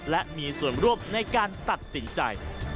และมีส่วนร่วมในการตัดสินใจ